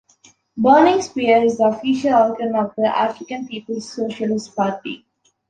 Burning Spear is "the official organ of the African People's Socialist Party".